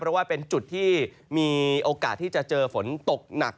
เพราะว่าเป็นจุดที่มีโอกาสที่จะเจอฝนตกหนัก